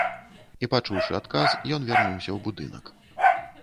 І пачуўшы адказ, ён вярнуўся ў будынак.